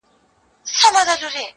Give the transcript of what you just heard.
دادی وګوره صاحب د لوی نښان یم ،